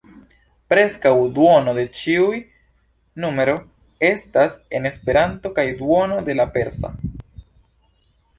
Preskaŭ duono de ĉiu n-ro estas en Esperanto kaj duono en la persa.